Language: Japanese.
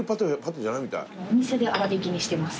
お店で粗びきにしてます。